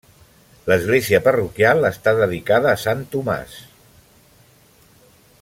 L'església parroquial està dedicada a sant Tomàs.